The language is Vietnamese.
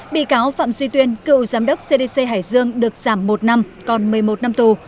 bị cáo phạm duy tuyên cựu giám đốc cdc hải dương được giảm một năm còn một mươi một năm tù